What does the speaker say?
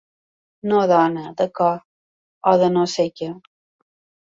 No dona, de cor, o de no sé què.